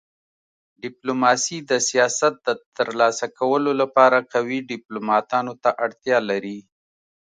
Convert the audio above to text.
ډيپلوماسي د سیاست د تر لاسه کولو لپاره قوي ډيپلوماتانو ته اړتیا لري.